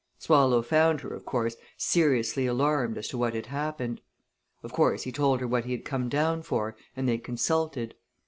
Swallow found her, of course, seriously alarmed as to what had happened. Of course, he told her what he had come down for and they consulted.